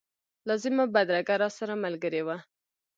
لازمه بدرګه راسره ملګرې وه.